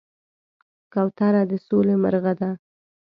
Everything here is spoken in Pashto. کوتره د سولې مرغه ده.